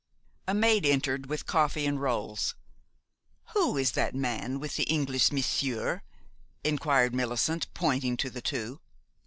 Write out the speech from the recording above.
A maid entered with coffee and rolls. "Who is that man with the English monsieur?" inquired Millicent, pointing to the two.